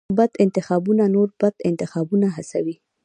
بد انتخابونه نور بد انتخابونه هڅوي.